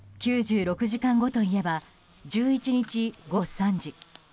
９６時間後といえば１１日午後３時。